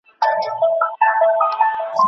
پوښتنه به کوی د زمولېدلو ګلغوټیو